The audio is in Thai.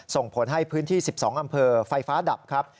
ส่งผลให้พื้นที่๑๒อำเภอไฟฟ้าดับครับ